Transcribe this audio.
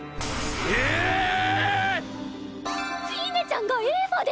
ええ⁉フィーネちゃんがエーファで。